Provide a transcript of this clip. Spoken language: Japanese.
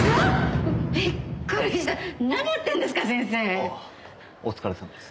ああお疲れさまです。